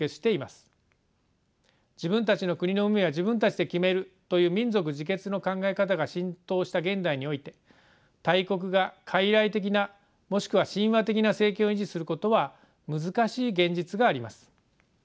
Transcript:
自分たちの国の運命は自分たちで決めるという民族自決の考え方が浸透した現代において大国がかいらい的なもしくは親和的な政権を維持することは難しい現実があります。